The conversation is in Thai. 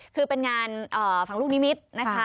คือเป็นงานฝั่งลูกนิมิตรนะคะ